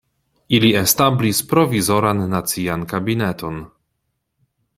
Ili establis Provizoran Nacian Kabineton.